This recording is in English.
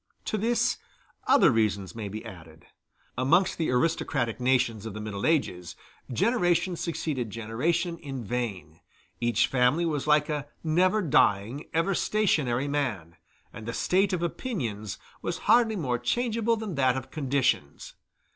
To this, other reasons may be added. Amongst the aristocratic nations of the Middle Ages, generation succeeded generation in vain; each family was like a never dying, ever stationary man, and the state of opinions was hardly more changeable than that of conditions.